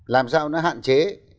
làm sao nó hạn chế